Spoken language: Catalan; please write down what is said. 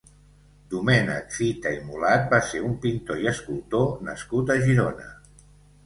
Domènec Fita i Molat va ser un pintor i escultor nascut a Girona.